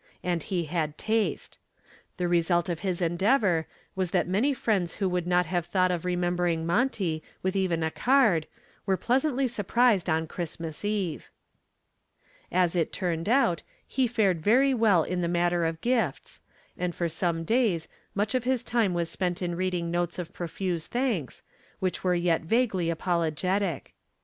And he had taste. The result of his endeavor was that many friends who would not have thought of remembering Monty with even a card were pleasantly surprised on Christmas Eve. As it turned out, he fared very well in the matter of gifts, and for some days much of his time was spent in reading notes of profuse thanks, which were yet vaguely apologetic.